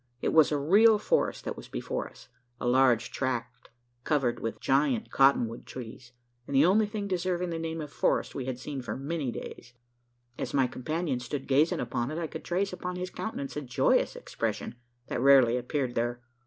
It was a real forest that was before us a large tract covered with gigantic cotton wood trees, and the only thing deserving the name of forest we had seen for many days. As my companion stood gazing upon it, I could trace upon his countenance a joyous expression, that rarely appeared there.